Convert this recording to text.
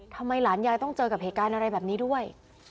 ทำไมหลานยายต้องเจอกับเหตุการณ์อะไรแบบนี้ด้วย